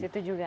di situ juga